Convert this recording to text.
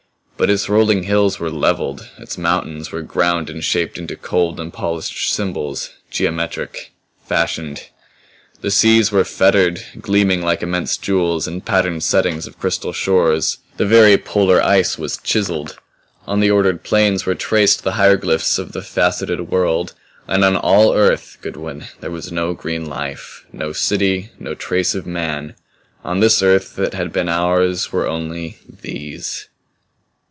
But its rolling hills were leveled, its mountains were ground and shaped into cold and polished symbols geometric, fashioned. "The seas were fettered, gleaming like immense jewels in patterned settings of crystal shores. The very Polar ice was chiseled. On the ordered plains were traced the hieroglyphs of the faceted world. And on all Earth, Goodwin, there was no green life, no city, no trace of man. On this Earth that had been ours were only These.